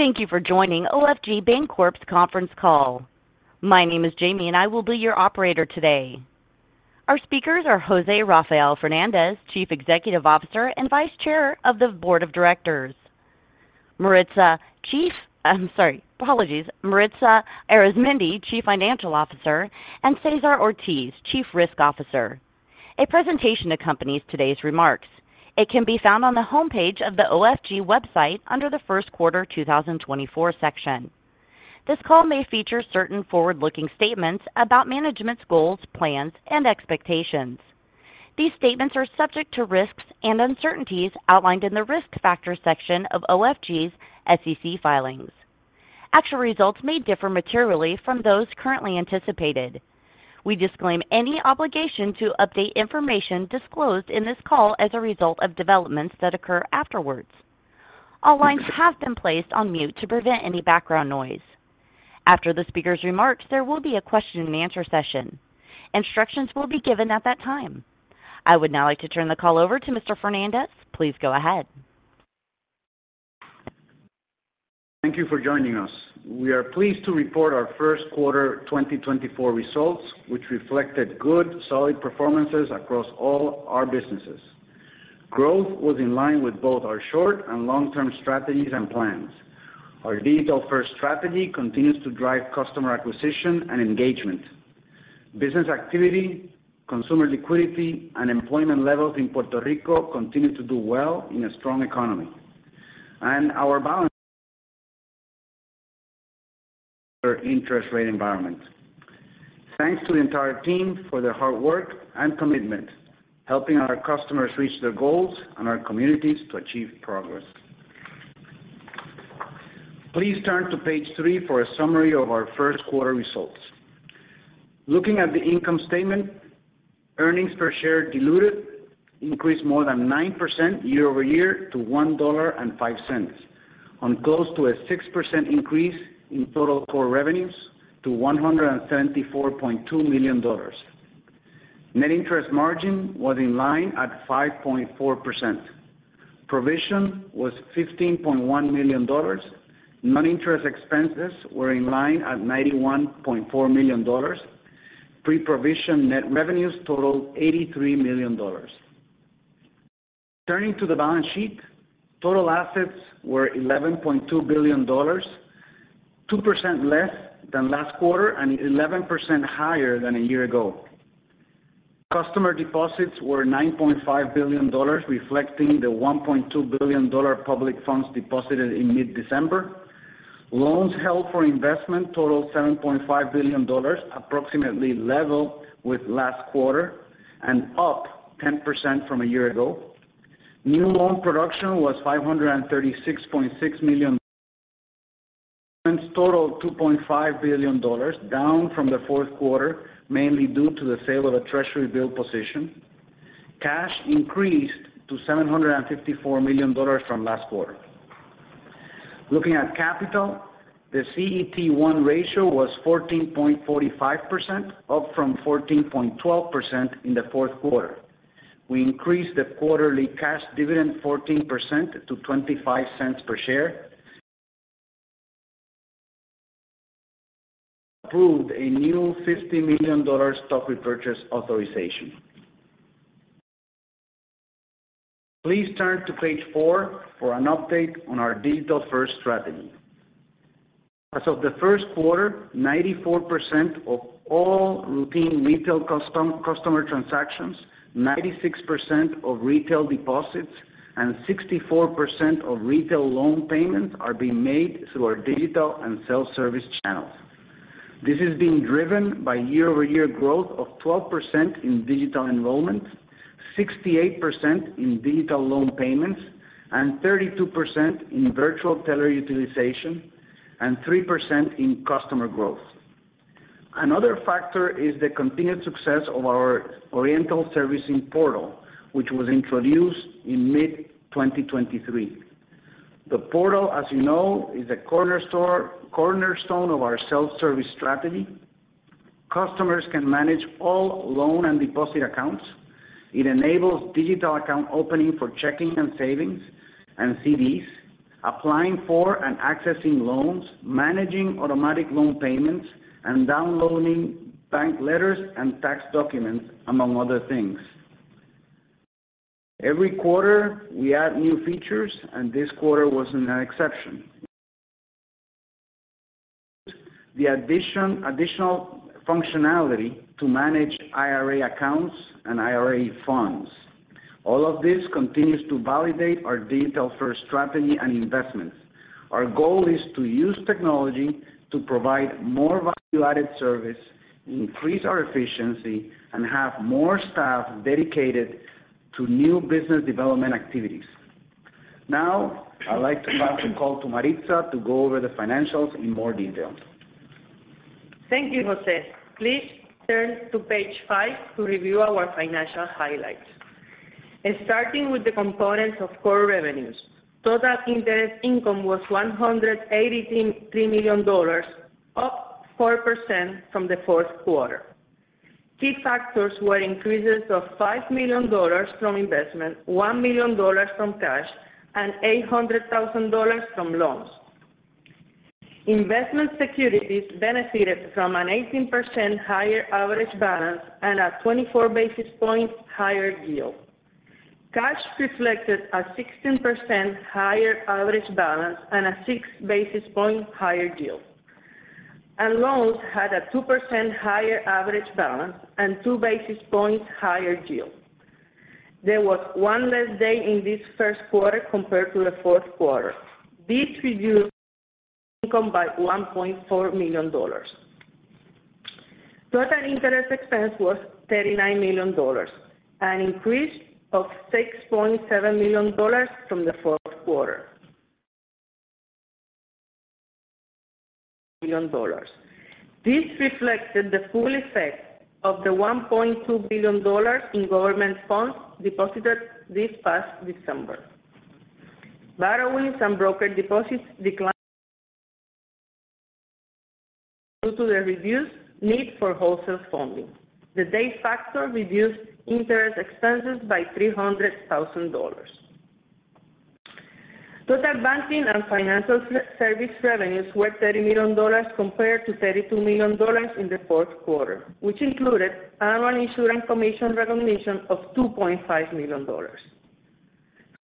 Thank you for joining OFG Bancorp's conference call. My name is Jamie, and I will be your operator today. Our speakers are José Rafael Fernández, Chief Executive Officer and Vice Chair of the Board of Directors. Maritza Arizmendi, Chief Financial Officer. And César Ortiz, Chief Risk Officer. A presentation accompanies today's remarks. It can be found on the homepage of the OFG website under the first quarter 2024 section. This call may feature certain forward-looking statements about management's goals, plans, and expectations. These statements are subject to risks and uncertainties outlined in the Risk Factors section of OFG's SEC filings. Actual results may differ materially from those currently anticipated. We disclaim any obligation to update information disclosed in this call as a result of developments that occur afterwards. All lines have been placed on mute to prevent any background noise. After the speaker's remarks, there will be a question-and-answer session. Instructions will be given at that time. I would now like to turn the call over to Mr. Fernández. Please go ahead. Thank you for joining us. We are pleased to report our first quarter 2024 results, which reflected good, solid performances across all our businesses. Growth was in line with both our short- and long-term strategies and plans. Our digital-first strategy continues to drive customer acquisition and engagement. Business activity, consumer liquidity, and employment levels in Puerto Rico continue to do well in a strong economy. And our balance... interest rate environment. Thanks to the entire team for their hard work and commitment, helping our customers reach their goals and our communities to achieve progress. Please turn to page three for a summary of our first quarter results. Looking at the income statement, earnings per share diluted increased more than 9% year-over-year to $1.05, on close to a 6% increase in total core revenues to $174.2 million. Net interest margin was in line at 5.4%. Provision was $15.1 million. Non-interest expenses were in line at $91.4 million. Pre-provision net revenues totaled $83 million. Turning to the balance sheet, total assets were $11.2 billion, 2% less than last quarter and 11% higher than a year ago. Customer deposits were $9.5 billion, reflecting the $1.2 billion public funds deposited in mid-December. Loans held for investment totaled $7.5 billion, approximately level with last quarter and up 10% from a year ago. New loan production was $536.6 million. Total $2.5 billion, down from the fourth quarter, mainly due to the sale of a treasury bill position. Cash increased to $754 million from last quarter. Looking at capital, the CET1 ratio was 14.45%, up from 14.12% in the fourth quarter. We increased the quarterly cash dividend 14% to $0.25 per share. Approved a new $50 million stock repurchase authorization. Please turn to page four for an update on our digital-first strategy. As of the first quarter, 94% of all routine retail customer transactions, 96% of retail deposits, and 64% of retail loan payments are being made through our digital and self-service channels. This is being driven by year-over-year growth of 12% in digital enrollment, 68% in digital loan payments, and 32% in virtual teller utilization, and 3% in customer growth. Another factor is the continued success of our Oriental servicing portal, which was introduced in mid-2023. The portal, as you know, is a cornerstone of our self-service strategy. Customers can manage all loan and deposit accounts. It enables digital account opening for checking and savings and CDs, applying for and accessing loans, managing automatic loan payments, and downloading bank letters and tax documents, among other things. Every quarter, we add new features, and this quarter wasn't an exception. The additional functionality to manage IRA accounts and IRA funds. All of this continues to validate our digital-first strategy and investments. Our goal is to use technology to provide more value-added service, increase our efficiency, and have more staff dedicated to new business development activities. Now, I'd like to turn the call to Maritza to go over the financials in more detail. Thank you, José. Please turn to page 5 to review our financial highlights. Starting with the components of core revenues, total interest income was $183 million, up 4% from the fourth quarter. Key factors were increases of $5 million from investment, $1 million from cash, and $800,000 from loans. Investment securities benefited from an 18% higher average balance and a 24 basis points higher yield. Cash reflected a 16% higher average balance and a six basis point higher yield, and loans had a 2% higher average balance and two basis points higher yield. There was one less day in this first quarter compared to the fourth quarter. This reduced income by $1.4 million. Total interest expense was $39 million, an increase of $6.7 million from the fourth quarter. This reflected the full effect of the $1.2 billion in government funds deposited this past December. Borrowings and broker deposits declined due to the reduced need for wholesale funding. The day factor reduced interest expenses by $300,000. Total banking and financial service revenues were $30 million compared to $32 million in the fourth quarter, which included annual insurance commission recognition of $2.5 million.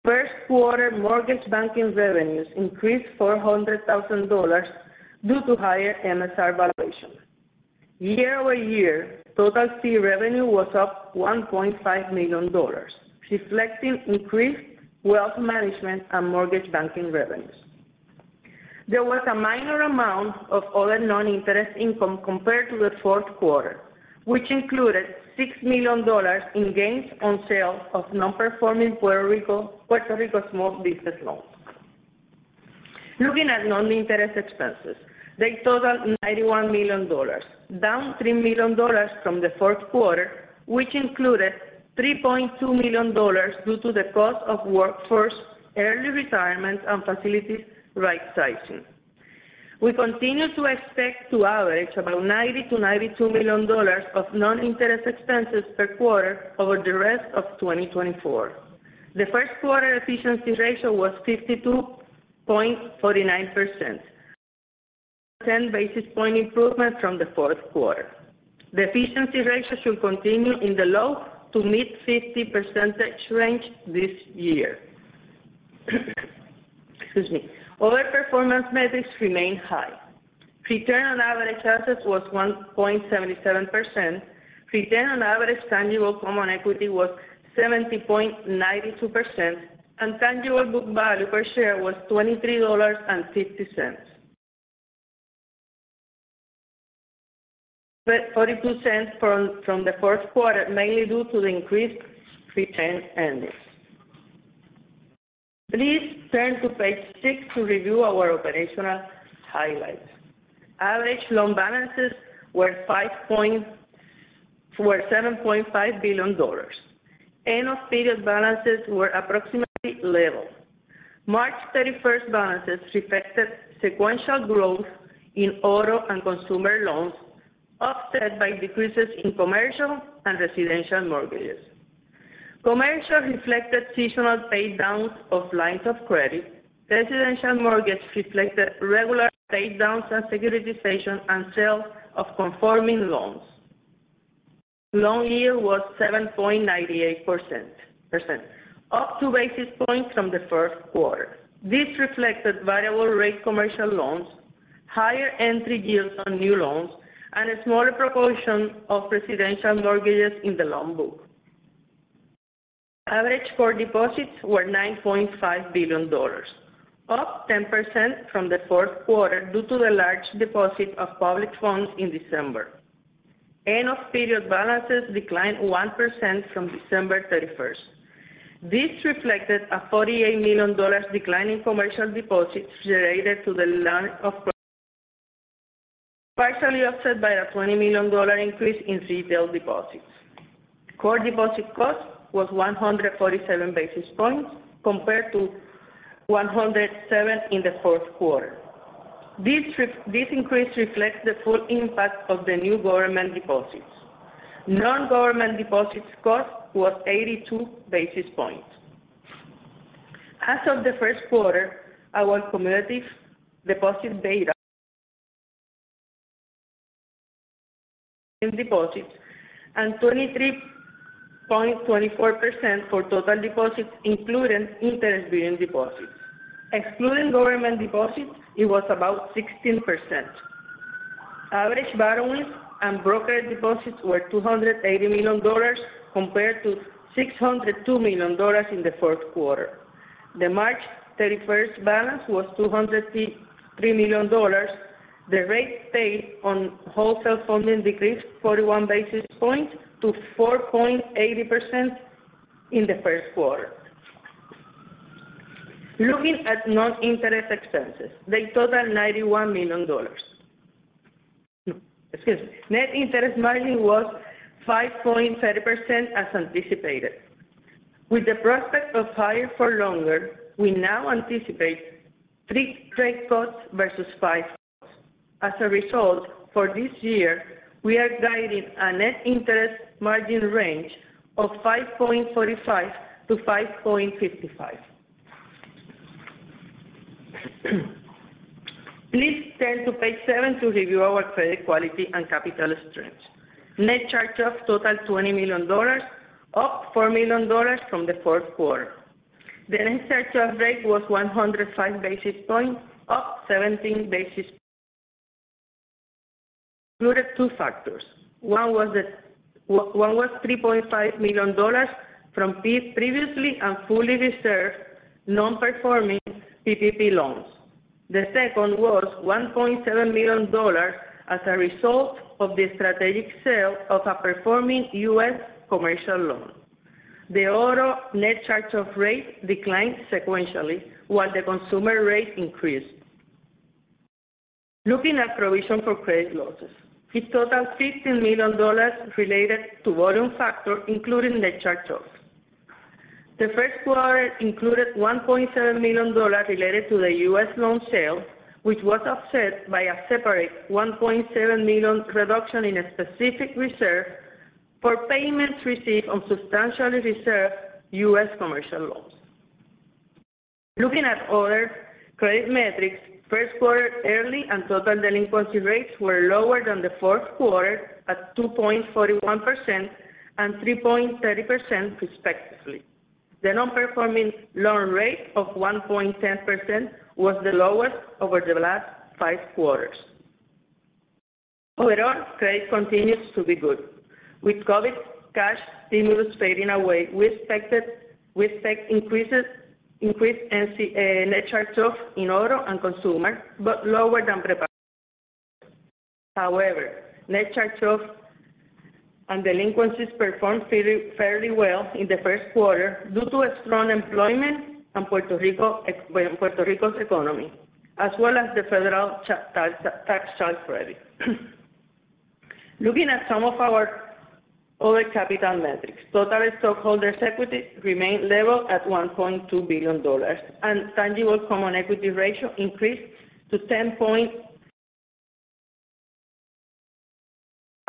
First quarter mortgage banking revenues increased $400,000 due to higher MSR valuations. Year-over-year, total fee revenue was up $1.5 million, reflecting increased wealth management and mortgage banking revenues. There was a minor amount of other non-interest income compared to the fourth quarter, which included $6 million in gains on sale of non-performing Puerto Rico, Puerto Rico small business loans. Looking at non-interest expenses, they totaled $91 million, down $3 million from the fourth quarter, which included $3.2 million due to the cost of workforce, early retirement, and facilities rightsizing. We continue to expect to average about $90-$92 million of non-interest expenses per quarter over the rest of 2024. The first quarter efficiency ratio was 52.49%, a 10 basis point improvement from the fourth quarter. The efficiency ratio should continue in the low- to mid-50% range this year. Excuse me. Other performance metrics remain high. Return on average assets was 1.77%. Return on average tangible common equity was 70.92%, and tangible book value per share was $23.50, down $0.42 from the first quarter, mainly due to the increase in retained earnings. Please turn to page 6 to review our operational highlights. Average loan balances were $7.5 billion. End of period balances were approximately level. March 31st balances reflected sequential growth in auto and consumer loans, offset by decreases in commercial and residential mortgages. Commercial reflected seasonal paydowns of lines of credit. Residential mortgage reflected regular paydowns and securitization and sales of conforming loans. Loan yield was 7.98%, up two basis points from the first quarter. This reflected variable rate commercial loans, higher entry yields on new loans, and a smaller proportion of residential mortgages in the loan book. Average core deposits were $9.5 billion, up 10% from the fourth quarter due to the large deposit of public funds in December. End of period balances declined 1% from December 31st. This reflected a $48 million decline in commercial deposits related to the lack of, partially offset by a $20 million increase in retail deposits. Core deposit cost was 147 basis points compared to 107 in the fourth quarter. This increase reflects the full impact of the new government deposits. Non-government deposits cost was 82 basis points. As of the first quarter, our cumulative deposit beta, and 23.24% for total deposits, including interest-bearing deposits. Excluding government deposits, it was about 16%. Average borrowings and brokered deposits were $280 million, compared to $602 million in the fourth quarter. The March 31 balance was $203 million. The rate paid on wholesale funding decreased 41 basis points to 4.80% in the first quarter. Looking at non-interest expenses, they total $91 million. Excuse me. Net interest margin was 5.30%, as anticipated.... With the prospect of higher for longer, we now anticipate three rate cuts versus five cuts. As a result, for this year, we are guiding a net interest margin range of 5.45%-5.55%. Please turn to page seven to review our credit quality and capital strength. Net charge-off totaled $20 million, up $4 million from the fourth quarter. The net charge-off rate was 105 basis points, up 17 basis points. Included two factors. One was $3.5 million from previously and fully reserved non-performing PPP loans. The second was $1.7 million as a result of the strategic sale of a performing U.S. commercial loan. The auto net charge-off rate declined sequentially, while the consumer rate increased. Looking at provision for credit losses, it totaled $15 million related to volume factor, including net charge-offs. The first quarter included $1.7 million related to the U.S. loan sale, which was offset by a separate $1.7 million reduction in a specific reserve for payments received on substantially reserved U.S. commercial loans. Looking at other credit metrics, first quarter early and total delinquency rates were lower than the fourth quarter, at 2.41% and 3.30% respectively. The non-performing loan rate of 1.10% was the lowest over the last five quarters. Overall, credit continues to be good. With COVID cash stimulus fading away, we expected, we expect increases, increased NC, net charge-offs in auto and consumer, but lower than anticipated. However, net charge-offs and delinquencies performed fairly, fairly well in the first quarter due to a strong employment and Puerto Rico's economy, as well as the federal child tax credit. Looking at some of our other capital metrics, total stockholders' equity remained level at $1.2 billion, and tangible common equity ratio increased to 10 point-.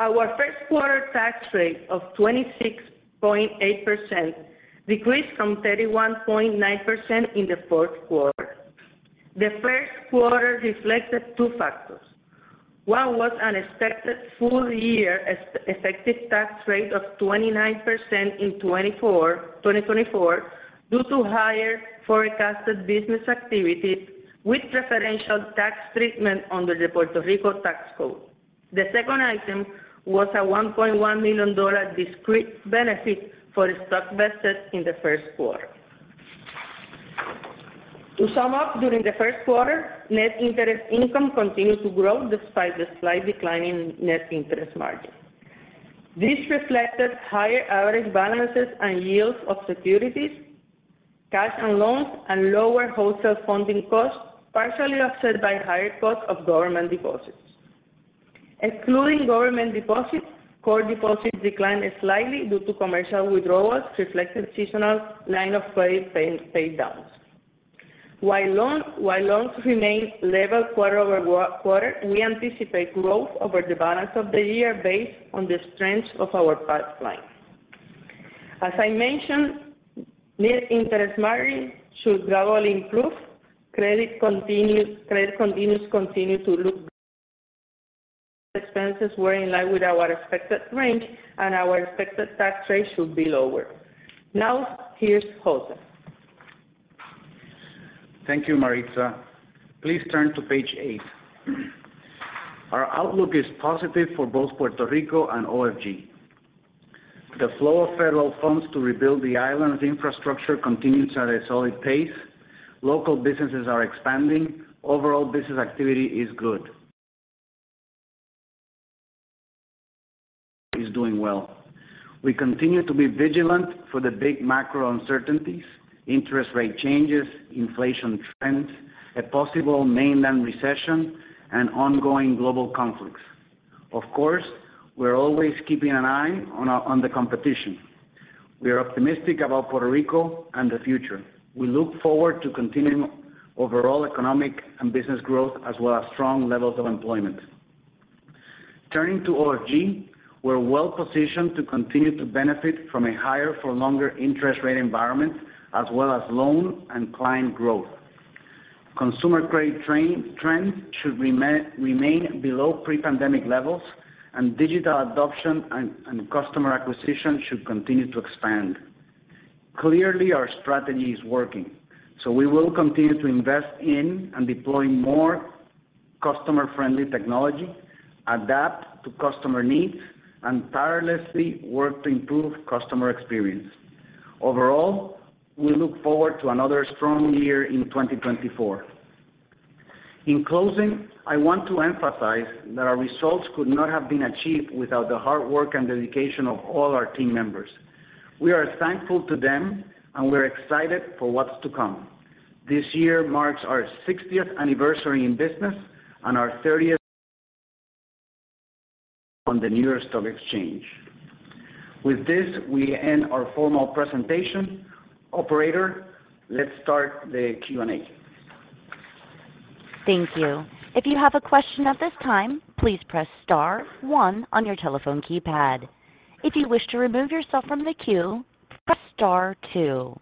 Our first quarter tax rate of 26.8% decreased from 31.9% in the fourth quarter. The first quarter reflected two factors. One was an expected full-year effective tax rate of 29% in 2024, due to higher forecasted business activity with preferential tax treatment under the Puerto Rico tax code. The second item was a $1.1 million discrete benefit for stock vested in the first quarter. To sum up, during the first quarter, net interest income continued to grow despite the slight decline in net interest margin. This reflected higher average balances and yields of securities, cash and loans, and lower wholesale funding costs, partially offset by higher costs of government deposits. Excluding government deposits, core deposits declined slightly due to commercial withdrawals, reflecting seasonal line of credit paydowns. While loans remained level quarter-over-quarter, we anticipate growth over the balance of the year based on the strength of our pipeline. As I mentioned, net interest margin should gradually improve. Credit continues to look. Expenses were in line with our expected range, and our expected tax rate should be lower. Now, here’s José. Thank you, Maritza. Please turn to page eight. Our outlook is positive for both Puerto Rico and OFG. The flow of federal funds to rebuild the island's infrastructure continues at a solid pace. Local businesses are expanding. Overall, business activity is good, is doing well. We continue to be vigilant for the big macro uncertainties, interest rate changes, inflation trends, a possible mainland recession, and ongoing global conflicts. Of course, we're always keeping an eye on the competition. We are optimistic about Puerto Rico and the future. We look forward to continuing overall economic and business growth, as well as strong levels of employment. Turning to OFG, we're well-positioned to continue to benefit from a higher for longer interest rate environment, as well as loan and client growth. Consumer credit trends should remain below pre-pandemic levels, and digital adoption and customer acquisition should continue to expand. Clearly, our strategy is working, so we will continue to invest in and deploy more customer-friendly technology, adapt to customer needs, and tirelessly work to improve customer experience. Overall, we look forward to another strong year in 2024. In closing, I want to emphasize that our results could not have been achieved without the hard work and dedication of all our team members. We are thankful to them, and we're excited for what's to come. This year marks our sixtieth anniversary in business and our thirtieth on the New York Stock Exchange. With this, we end our formal presentation. Operator, let's start the Q&A. Thank you. If you have a question at this time, please press star one on your telephone keypad. If you wish to remove yourself from the queue, press star two.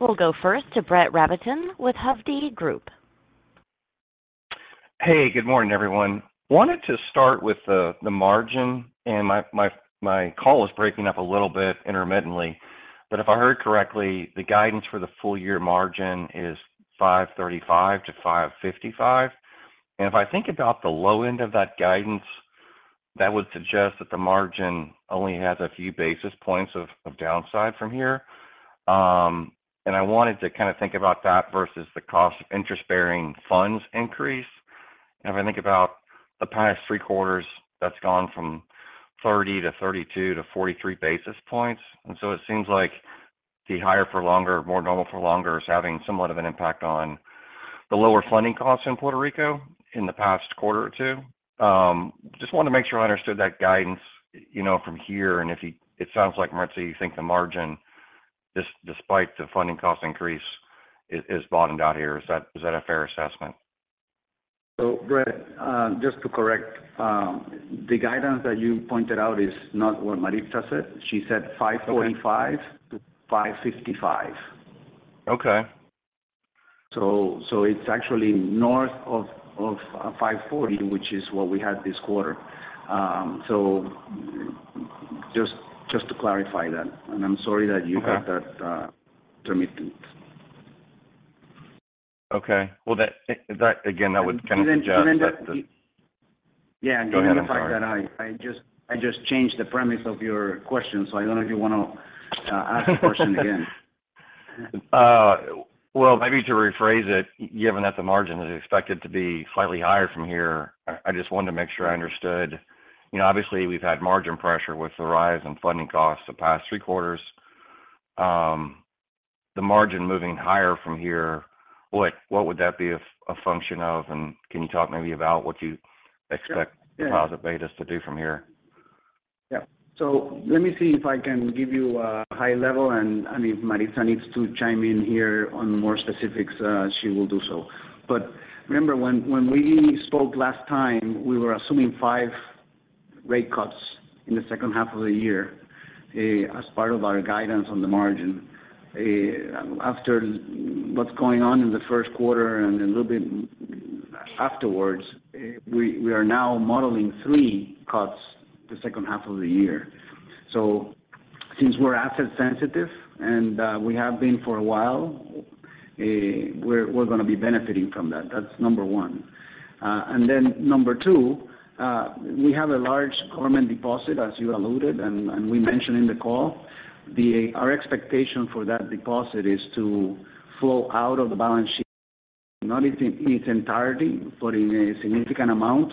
We'll go first to Brett Rabatin with Hovde Group. Hey, good morning, everyone. Wanted to start with the margin, and my call is breaking up a little bit intermittently. But if I heard correctly, the guidance for the full year margin is 5.35-5.55. And if I think about the low end of that guidance, that would suggest that the margin only has a few basis points of downside from here. And I wanted to kind of think about that versus the cost of interest-bearing funds increase. And if I think about the past three quarters, that's gone from 30 to 32 to 43 basis points. And so it seems like the higher for longer, more normal for longer, is having somewhat of an impact on the lower funding costs in Puerto Rico in the past quarter or two. Just wanted to make sure I understood that guidance, you know, from here, and if you-- it sounds like, Maritza, you think the margin, despite the funding cost increase, is, is bottomed out here. Is that, is that a fair assessment? So, Brett, just to correct, the guidance that you pointed out is not what Maritza said. She said 545- Okay. - to 555. Okay. So it's actually north of 540, which is what we had this quarter. So just to clarify that. And I'm sorry that you- Okay. - got that, intermittent. Okay. Well, that again would kind of suggest that- Yeah- Go ahead. I'm sorry. I just, I just changed the premise of your question, so I don't know if you want to ask the question again. Well, maybe to rephrase it, given that the margin is expected to be slightly higher from here, I just wanted to make sure I understood. You know, obviously, we've had margin pressure with the rise in funding costs the past three quarters. The margin moving higher from here, what would that be a function of? And can you talk maybe about what you expect- Yeah. Deposit betas to do from here? Yeah. So let me see if I can give you a high level, and if Maritza needs to chime in here on more specifics, she will do so. But remember, when we spoke last time, we were assuming five rate cuts in the second half of the year, as part of our guidance on the margin. After what's going on in the first quarter and a little bit afterwards, we are now modeling three cuts the second half of the year. So since we're asset sensitive, and we have been for a while, we're gonna be benefiting from that. That's number one. And then number two, we have a large government deposit, as you alluded, and we mentioned in the call. Our expectation for that deposit is to flow out of the balance sheet, not in, in its entirety, but in a significant amount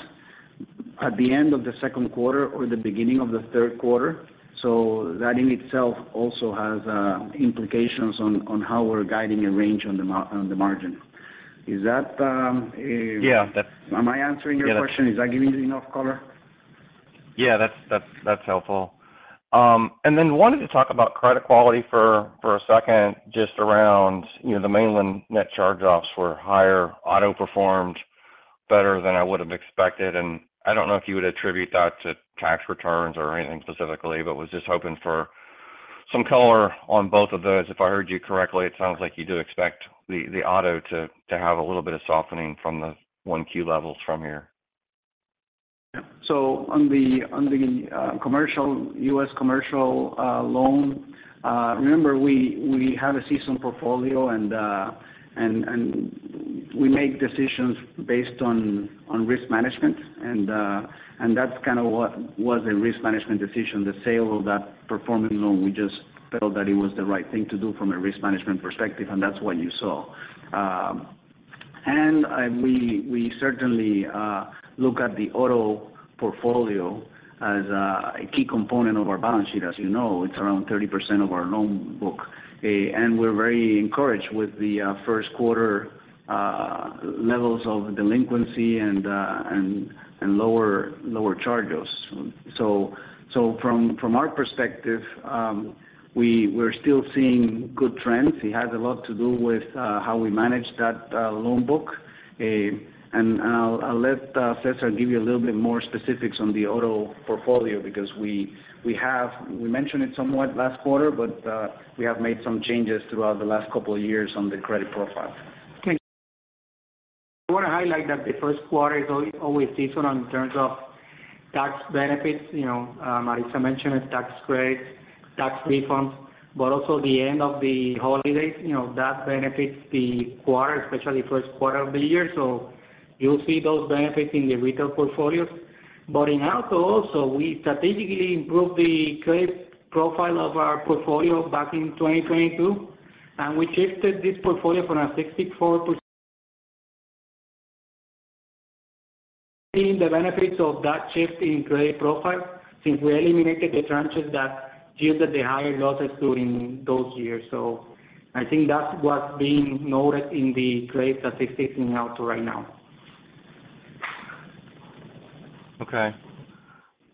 at the end of the second quarter or the beginning of the third quarter. So that in itself also has implications on, on how we're guiding a range on the mar-- on the margin. Is that, Yeah, that's- Am I answering your question? Yeah. Is that giving you enough color? Yeah, that's helpful. And then wanted to talk about credit quality for a second, just around, you know, the mainland net charge-offs were higher, auto performed better than I would have expected, and I don't know if you would attribute that to tax returns or anything specifically, but was just hoping for some color on both of those. If I heard you correctly, it sounds like you do expect the auto to have a little bit of softening from the 1Q levels from here. Yeah. So on the commercial, U.S. commercial loan, remember we have a seasoned portfolio and we make decisions based on risk management. And that's kind of what was a risk management decision, the sale of that performing loan. We just felt that it was the right thing to do from a risk management perspective, and that's what you saw. And we certainly look at the auto portfolio as a key component of our balance sheet. As you know, it's around 30% of our loan book. And we're very encouraged with the first quarter levels of delinquency and lower charges. So from our perspective, we're still seeing good trends. It has a lot to do with how we manage that loan book. And I'll let César give you a little bit more specifics on the auto portfolio, because we have mentioned it somewhat last quarter, but we have made some changes throughout the last couple of years on the credit profile. I want to highlight that the first quarter is always seasonal in terms of tax benefits. You know, Maritza mentioned it, tax credits, tax refunds, but also the end of the holidays, you know, that benefits the quarter, especially first quarter of the year. So you'll see those benefits in the retail portfolios. But in auto also, we strategically improved the credit profile of our portfolio back in 2022, and we shifted this portfolio from a 64%-... seeing the benefits of that shift in credit profile since we eliminated the tranches that yielded the higher losses during those years. So I think that's what's being noted in the grades that they're sticking out to right now. Okay,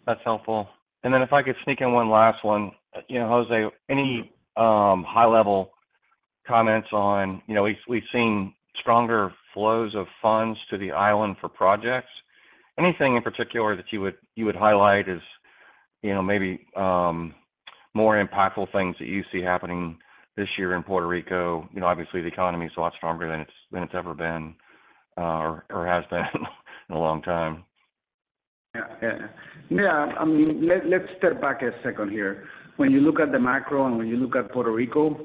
that's helpful. And then if I could sneak in one last one. You know, José, any high-level comments on, you know, we've seen stronger flows of funds to the island for projects. Anything in particular that you would highlight as, you know, maybe more impactful things that you see happening this year in Puerto Rico? You know, obviously, the economy is a lot stronger than it's ever been, or has been in a long time. Yeah. Yeah. Yeah, I mean, let's step back a second here. When you look at the macro and when you look at Puerto Rico,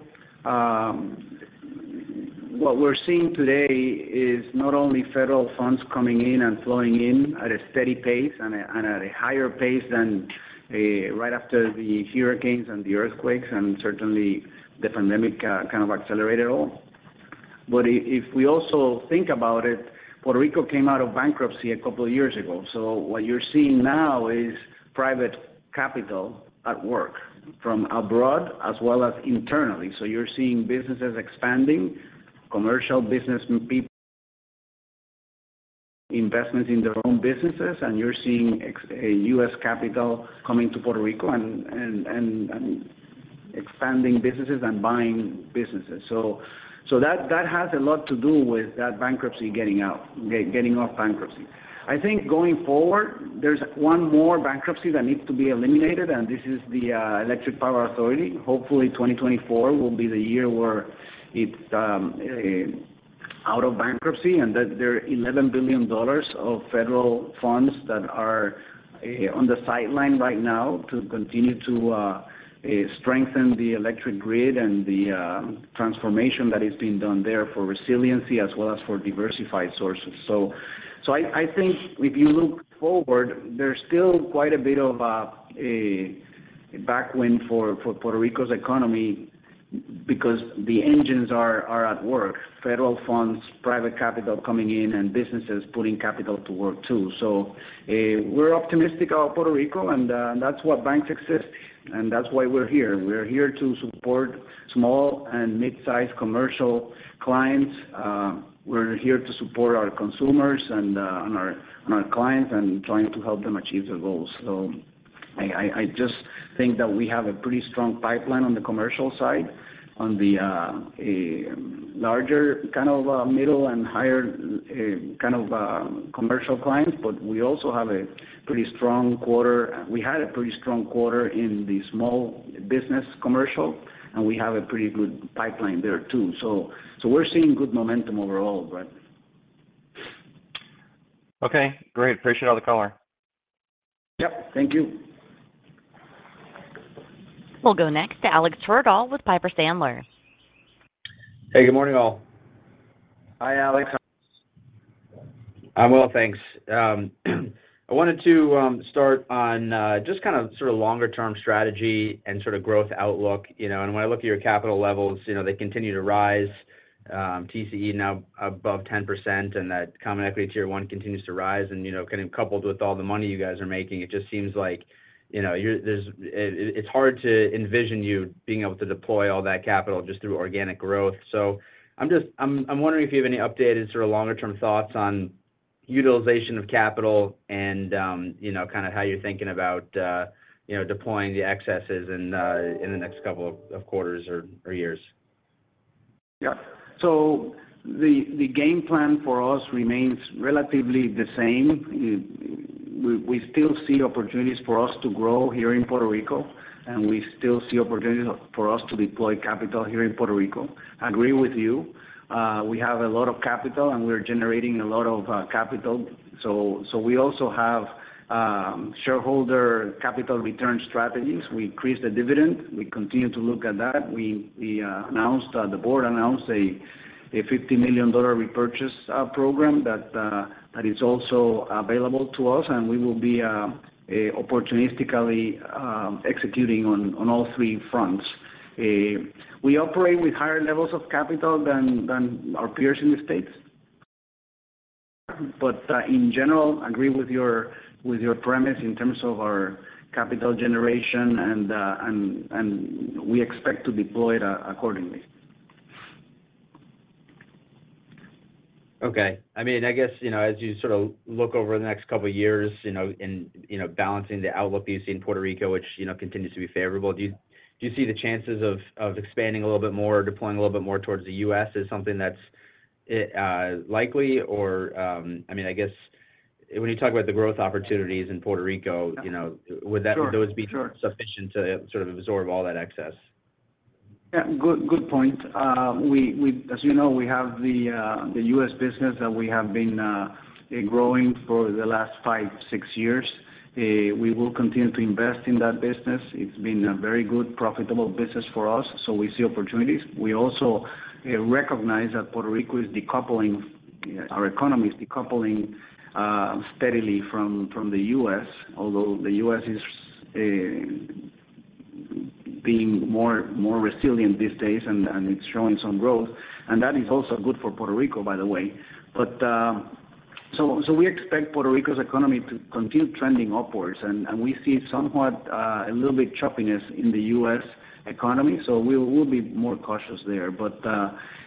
what we're seeing today is not only federal funds coming in and flowing in at a steady pace and at, and at a higher pace than right after the hurricanes and the earthquakes, and certainly the pandemic kind of accelerated it all. But if we also think about it, Puerto Rico came out of bankruptcy a couple of years ago. So what you're seeing now is private capital at work, from abroad as well as internally. So you're seeing businesses expanding, commercial business people investments in their own businesses, and you're seeing a US capital coming to Puerto Rico and, and, and, and expanding businesses and buying businesses. So that has a lot to do with that bankruptcy getting out of bankruptcy. I think going forward, there's one more bankruptcy that needs to be eliminated, and this is the Puerto Rico Electric Power Authority. Hopefully, 2024 will be the year where it's out of bankruptcy, and that there are $11 billion of federal funds that are on the sidelines right now to continue to strengthen the electric grid and the transformation that is being done there for resiliency as well as for diversified sources. So I think if you look forward, there's still quite a bit of a tailwind for Puerto Rico's economy because the engines are at work. Federal funds, private capital coming in, and businesses putting capital to work, too. So, we're optimistic of Puerto Rico, and that's what banks exist, and that's why we're here. We're here to support small and mid-sized commercial clients. We're here to support our consumers and our clients, and trying to help them achieve their goals. So I just think that we have a pretty strong pipeline on the commercial side, on the larger kind of middle and higher kind of commercial clients. But we also have a pretty strong quarter. We had a pretty strong quarter in the small business commercial, and we have a pretty good pipeline there, too. So we're seeing good momentum overall, Brad. Okay, great. Appreciate all the color. Yep, thank you. We'll go next to Alex Twerdahl with Piper Sandler. Hey, good morning, all. Hi, Alex. I'm well, thanks. I wanted to start on just kind of sort of longer term strategy and sort of growth outlook, you know. And when I look at your capital levels, you know, they continue to rise, TCE now above 10%, and that common equity tier one continues to rise. And, you know, kind of coupled with all the money you guys are making, it just seems like, you know, you're, there's, it's hard to envision you being able to deploy all that capital just through organic growth. So I'm just, I'm wondering if you have any updated sort of longer-term thoughts on utilization of capital and, you know, kind of how you're thinking about, you know, deploying the excesses in the, in the next couple of quarters or years? Yeah. So the game plan for us remains relatively the same. We still see opportunities for us to grow here in Puerto Rico, and we still see opportunities for us to deploy capital here in Puerto Rico. I agree with you, we have a lot of capital, and we're generating a lot of capital. So we also have shareholder capital return strategies. We increased the dividend. We continue to look at that. We announced—the board announced a $50 million repurchase program that is also available to us, and we will be opportunistically executing on all three fronts. We operate with higher levels of capital than our peers in the States. But, in general, I agree with your, with your premise in terms of our capital generation and, and we expect to deploy it accordingly. Okay. I mean, I guess, you know, as you sort of look over the next couple of years, you know, and, you know, balancing the outlook that you see in Puerto Rico, which, you know, continues to be favorable, do you see the chances of expanding a little bit more or deploying a little bit more towards the U.S. as something that's likely? Or, I mean, I guess when you talk about the growth opportunities in Puerto Rico, you know- Sure. Would those be sufficient to sort of absorb all that excess? Yeah, good point. We, as you know, we have the U.S. business that we have been growing for the last five, six years. We will continue to invest in that business. It's been a very good, profitable business for us, so we see opportunities. We also recognize that Puerto Rico is decoupling. Our economy is decoupling steadily from the U.S., although the U.S. is being more resilient these days, and it's showing some growth, and that is also good for Puerto Rico, by the way. But, so we expect Puerto Rico's economy to continue trending upwards, and we see somewhat a little bit choppiness in the U.S. economy, so we'll be more cautious there.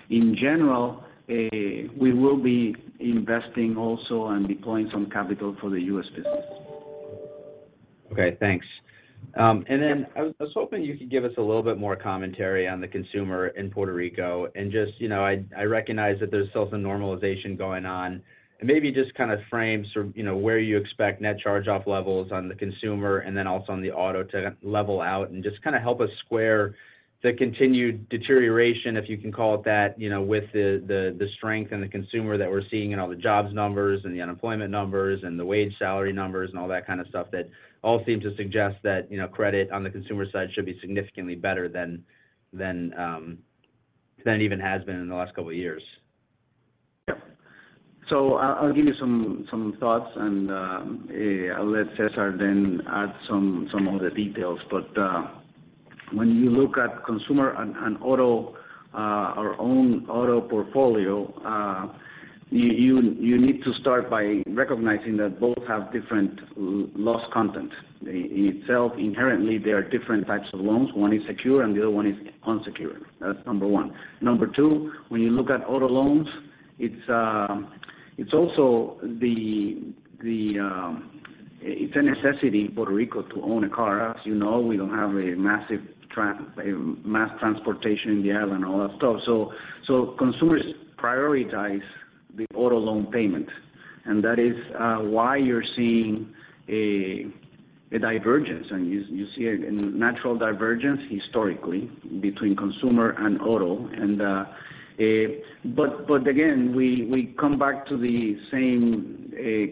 In general, we will be investing also and deploying some capital for the U.S. business. Okay, thanks. And then I was hoping you could give us a little bit more commentary on the consumer in Puerto Rico, and just, you know, I recognize that there's still some normalization going on, and maybe just kind of frame sort of, you know, where you expect net charge-off levels on the consumer, and then also on the auto to level out. And just kind of help us square the continued deterioration, if you can call it that, you know, with the strength in the consumer that we're seeing, and all the jobs numbers, and the unemployment numbers, and the wage salary numbers, and all that kind of stuff, that all seem to suggest that, you know, credit on the consumer side should be significantly better than it even has been in the last couple of years. Yeah. So I'll give you some thoughts, and I'll let César then add some of the details. But when you look at consumer and auto, our own auto portfolio, you need to start by recognizing that both have different loss content. In itself, inherently, there are different types of loans: one is secured and the other one is unsecured. That's number one. Number two, when you look at auto loans, it's also the, it's a necessity in Puerto Rico to own a car. As you know, we don't have a mass transportation in the island, all that stuff. So consumers prioritize the auto loan payment, and that is why you're seeing a divergence. And you see a natural divergence historically between consumer and auto. But again, we come back to the same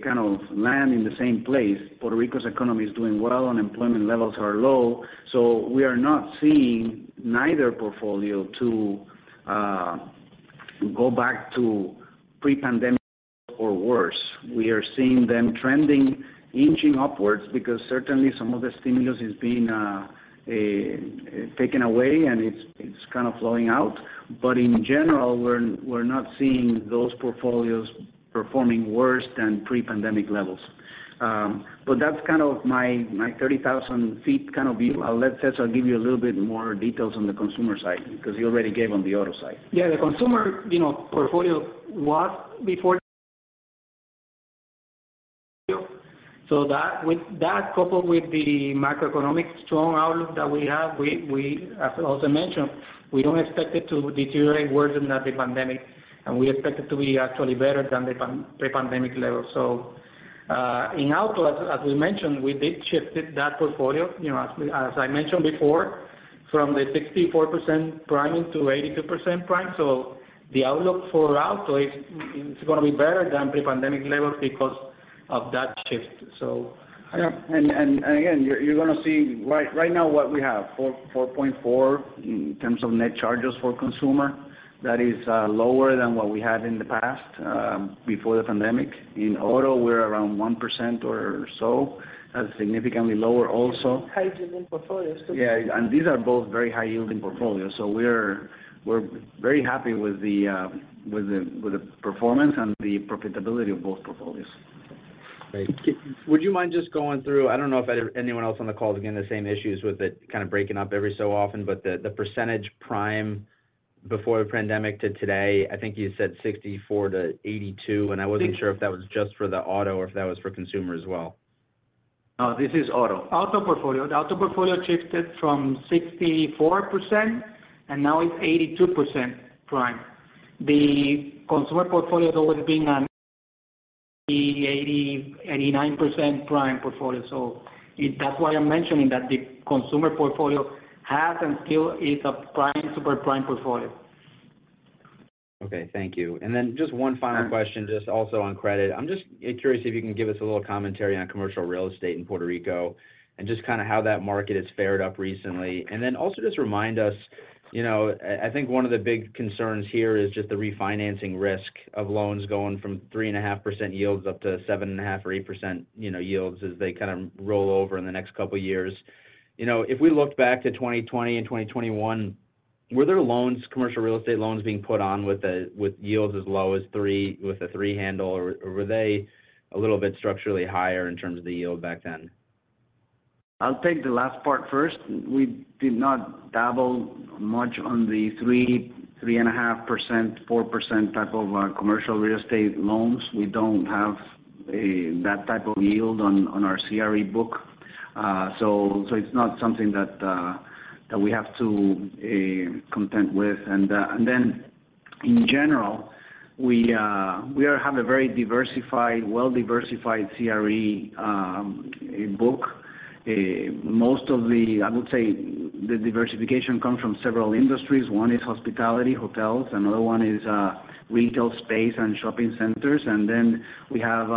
kind of land in the same place. Puerto Rico's economy is doing well, unemployment levels are low, so we are not seeing neither portfolio to go back to pre-pandemic or worse. We are seeing them trending, inching upwards, because certainly some of the stimulus is being taken away, and it's kind of flowing out. But in general, we're not seeing those portfolios performing worse than pre-pandemic levels. But that's kind of my 30,000 feet kind of view. I'll let Cesar give you a little bit more details on the consumer side, because he already gave on the auto side. Yeah, the consumer, you know, portfolio was before— So that with— That, coupled with the macroeconomic strong outlook that we have, we, we, as also mentioned, we don't expect it to deteriorate worse than the pandemic, and we expect it to be actually better than the pre-pandemic level. So, in auto, as, as we mentioned, we did shifted that portfolio, you know, as, as I mentioned before, from the 64% prime to 82% prime. So the outlook for auto is, is gonna be better than pre-pandemic levels because of that shift. So- Yeah. And again, you're gonna see right now what we have, 4.4 in terms of net charges for consumer. That is lower than what we had in the past before the pandemic. In auto, we're around 1% or so, that's significantly lower also. High-yielding portfolios, too. Yeah, and these are both very high-yielding portfolios, so we're very happy with the performance and the profitability of both portfolios. Thank you. Would you mind just going through... I don't know if anyone else on the call is getting the same issues with it kind of breaking up every so often, but the percentage prime before the pandemic to today, I think you said 64%-82%, and I wasn't sure- Yes... if that was just for the auto or if that was for consumer as well? No, this is auto. Auto portfolio. The auto portfolio shifted from 64%, and now it's 82% prime. The consumer portfolio has always been an 80, 80, 89% prime portfolio. So it-- That's why I'm mentioning that the consumer portfolio has and still is a prime, super prime portfolio. Okay, thank you. And then just one final question- Sure... just also on credit. I'm just curious if you can give us a little commentary on commercial real estate in Puerto Rico, and just kind of how that market has fared recently. And then also just remind us, you know, I think one of the big concerns here is just the refinancing risk of loans going from 3.5% yields up to 7.5% or 8%, you know, yields, as they kind of roll over in the next couple of years. You know, if we look back to 2020 and 2021, were there loans, commercial real estate loans, being put on with a, with yields as low as three- with a three handle, or, or were they a little bit structurally higher in terms of the yield back then? I'll take the last part first. We did not dabble much on the three, 3.5%, 4% type of commercial real estate loans. We don't have that type of yield on our CRE book. So it's not something that we have to contend with. And then, in general, we have a very diversified, well-diversified CRE book. Most of the—I would say the diversification comes from several industries. One is hospitality, hotels, another one is retail space and shopping centers, and then we have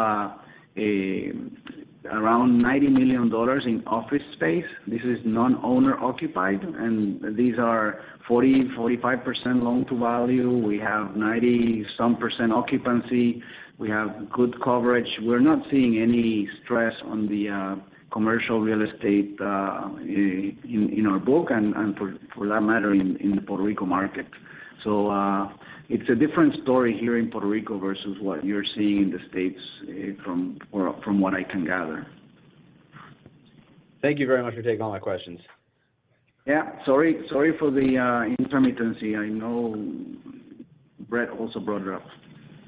around $90 million in office space. This is non-owner occupied, and these are 40-45% loan-to-value. We have 90-some% occupancy. We have good coverage. We're not seeing any stress on the commercial real estate in our book and, for that matter, in the Puerto Rico market.... So, it's a different story here in Puerto Rico versus what you're seeing in the States from what I can gather. Thank you very much for taking all my questions. Yeah, sorry, sorry for the intermittency. I know Brett also brought it up.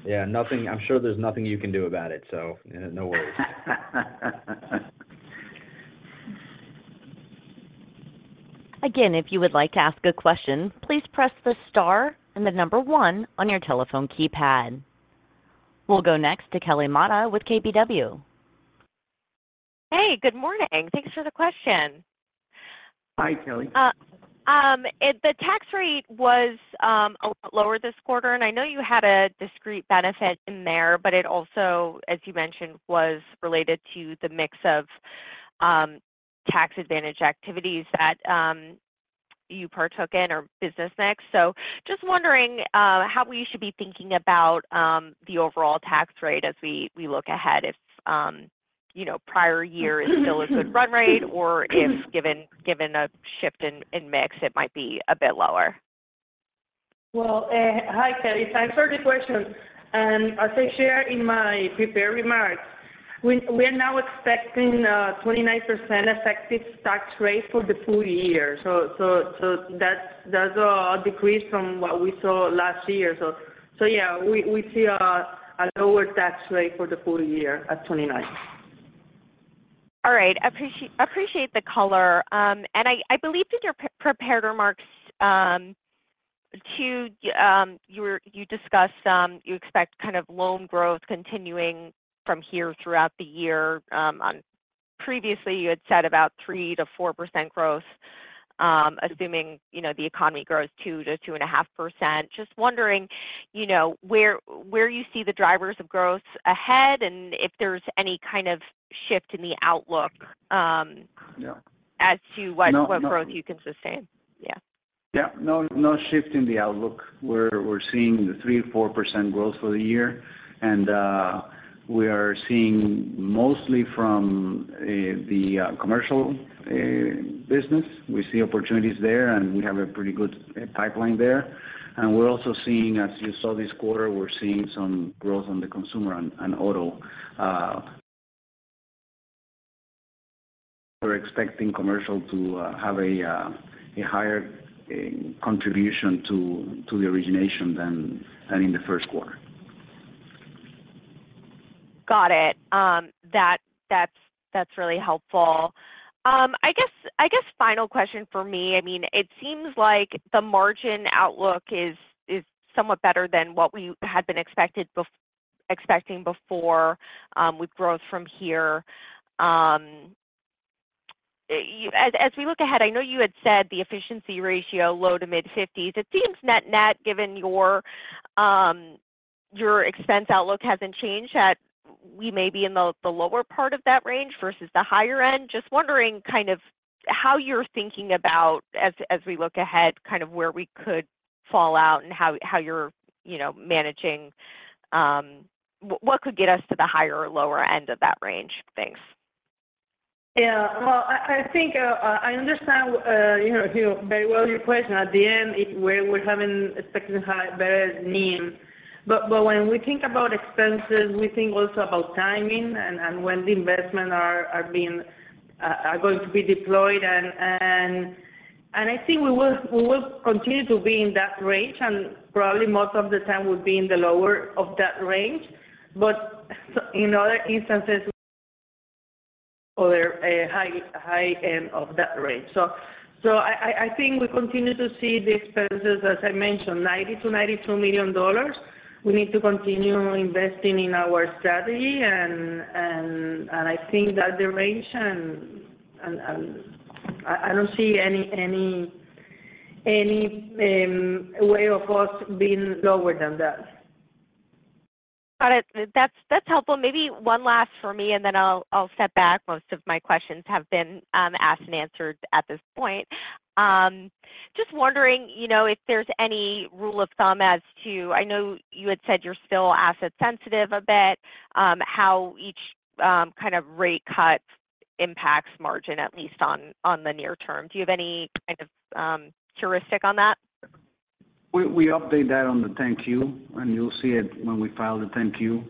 Yeah, nothing. I'm sure there's nothing you can do about it, so no worries. Again, if you would like to ask a question, please press the star and the number one on your telephone keypad. We'll go next to Kelly Motta with KBW. Hey, good morning. Thanks for the question. Hi, Kelly. The tax rate was a lot lower this quarter, and I know you had a discrete benefit in there, but it also, as you mentioned, was related to the mix of tax advantage activities that you partook in or business mix. So just wondering how we should be thinking about the overall tax rate as we look ahead, if you know, prior year is still a good run rate, or if given a shift in mix, it might be a bit lower? Well, hi, Kelly. Thanks for the question. As I shared in my prepared remarks, we are now expecting 29% effective tax rate for the full year. So that's a decrease from what we saw last year. So yeah, we see a lower tax rate for the full year at 29%. All right. Appreciate the color. And I believe in your prepared remarks, you discussed you expect kind of loan growth continuing from here throughout the year. Previously, you had said about 3%-4% growth, assuming, you know, the economy grows 2%-2.5%. Just wondering, you know, where you see the drivers of growth ahead, and if there's any kind of shift in the outlook? Yeah. as to what, what growth you can sustain? Yeah. Yeah. No, no shift in the outlook. We're seeing 3%-4% growth for the year, and we are seeing mostly from the commercial business. We see opportunities there, and we have a pretty good pipeline there. And we're also seeing, as you saw this quarter, we're seeing some growth on the consumer and auto. We're expecting commercial to have a higher contribution to the origination than in the first quarter. Got it. That's really helpful. I guess final question for me, I mean, it seems like the margin outlook is somewhat better than what we had been expecting before, with growth from here. As we look ahead, I know you had said the efficiency ratio, low to mid-50s. It seems net-net, given your expense outlook hasn't changed, that we may be in the lower part of that range versus the higher end. Just wondering kind of how you're thinking about as we look ahead, kind of where we could fall out and how you're, you know, managing what could get us to the higher or lower end of that range? Thanks. Yeah. Well, I think I understand, you know, you very well, your question. At the end, we're having expected high better NIM. But when we think about expenses, we think also about timing and when the investment are being deployed. And I think we will continue to be in that range, and probably most of the time, we'll be in the lower of that range. But so in other instances, or a high end of that range. So I think we continue to see the expenses, as I mentioned, $90-$92 million. We need to continue investing in our strategy and I think that the range and I don't see any way of us being lower than that. Got it. That's, that's helpful. Maybe one last for me, and then I'll, I'll step back. Most of my questions have been, asked and answered at this point. Just wondering, you know, if there's any rule of thumb as to... I know you had said you're still asset sensitive a bit, how each, kind of rate cut impacts margin, at least on, on the near term. Do you have any kind of, heuristic on that? We update that on the 10-Q, and you'll see it when we file the 10-Q.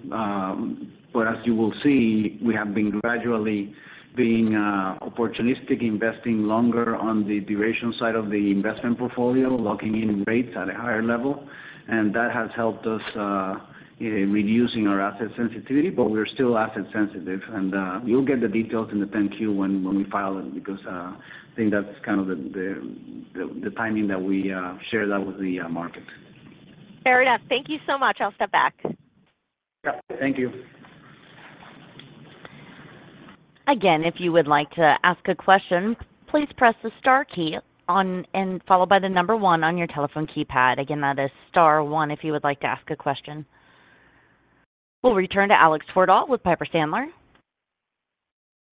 But as you will see, we have been gradually being opportunistic, investing longer on the duration side of the investment portfolio, locking in rates at a higher level, and that has helped us in reducing our asset sensitivity, but we're still asset sensitive. You'll get the details in the 10-Q when we file it, because I think that's kind of the timing that we share that with the market. Fair enough. Thank you so much. I'll step back. Yeah. Thank you. Again, if you would like to ask a question, please press star one on your telephone keypad. Again, that is star one if you would like to ask a question. We'll return to Alex Twerdahl with Piper Sandler.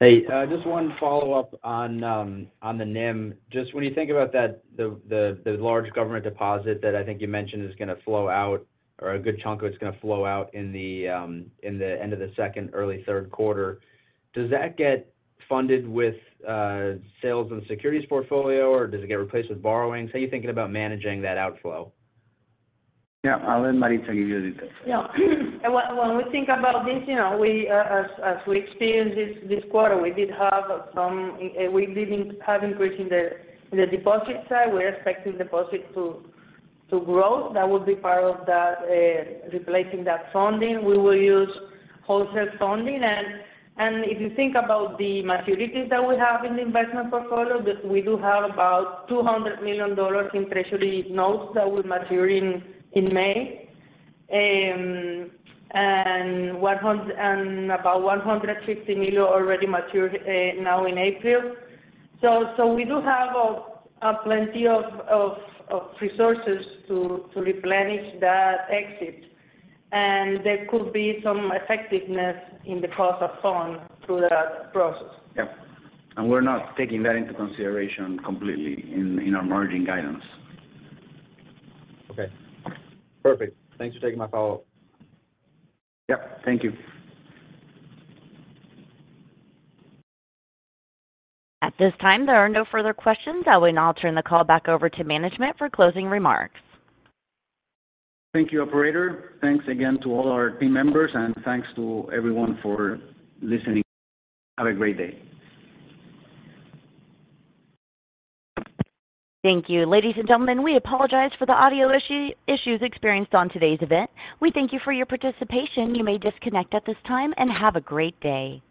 Hey, just one follow-up on the NIM. Just when you think about that, the large government deposit that I think you mentioned is gonna flow out, or a good chunk of it is gonna flow out in the end of the second, early third quarter, does that get funded with sales and securities portfolio, or does it get replaced with borrowings? How are you thinking about managing that outflow? Yeah. I'll let Maritza give you the details. Yeah. When, when we think about this, you know, we, as, as we experienced this, this quarter, we did have some, we did have increase in the, in the deposit side. We're expecting deposit to, to grow. That would be part of that, replacing that funding. We will use wholesale funding. And, and if you think about the maturities that we have in the investment portfolio, that we do have about $200 million in Treasury notes that will mature in, in May, and about $150 million already mature, now in April. So, so we do have a, a plenty of resources to, to replenish that exit, and there could be some effectiveness in the cost of fund through that process. Yeah. And we're not taking that into consideration completely in our margin guidance. Okay, perfect. Thanks for taking my call. Yep, thank you. At this time, there are no further questions. I will now turn the call back over to management for closing remarks. Thank you, operator. Thanks again to all our team members, and thanks to everyone for listening. Have a great day. Thank you. Ladies and gentlemen, we apologize for the audio issue, issues experienced on today's event. We thank you for your participation. You may disconnect at this time, and have a great day.